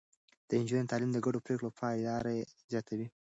د نجونو تعليم د ګډو پرېکړو پايداري زياتوي.